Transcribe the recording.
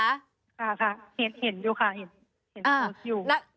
ค่ะค่ะเห็นดูค่ะเห็นโทรศอยู่